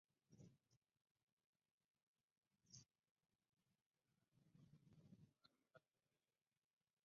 Para la portada del álbum fueron usados dibujos de John cuando era niño.